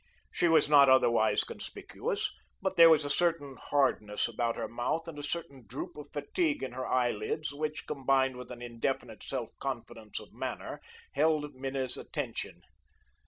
She was not otherwise conspicuous, but there was a certain hardness about her mouth and a certain droop of fatigue in her eyelids which, combined with an indefinite self confidence of manner, held Minna's attention.